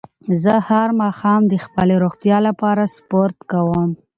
زه هر ماښام د خپلې روغتیا لپاره سپورت کووم